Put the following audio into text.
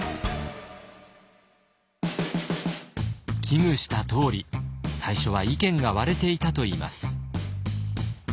危惧したとおり最初は意見が割れていたといいます。